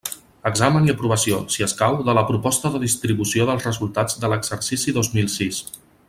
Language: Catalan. Examen i aprovació, si escau, de la proposta de distribució dels resultats de l'exercici dos mil sis.